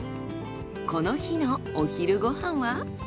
この日のお昼ご飯は。